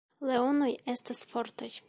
Leonoj estas fortaj.